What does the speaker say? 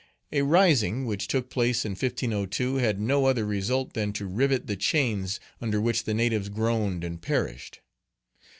A rising, which took place in 1502, had no other result than to rivet the chains under which the natives groaned and perished.